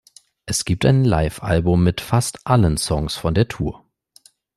Es gibt ein Live-Album mit fast allen Songs von der Tour.